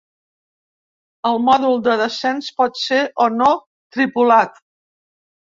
El mòdul de descens pot ser o no tripulat.